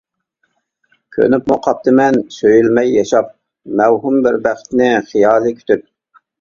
كۆنۈپمۇ قاپتىمەن سۆيۈلمەي ياشاپ، مەۋھۇم بىر بەختنى خىيالىي كۈتۈپ.